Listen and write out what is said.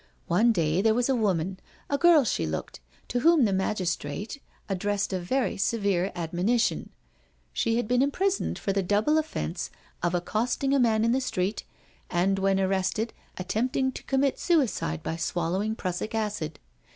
One day there was a woman, a girl she looked, to whom the magistrate addressed a very severe admonition. She had been imprisoned for the double offence of accost ing a man in the street and when arrested attempting to commit suicide by swallowing prussic acid.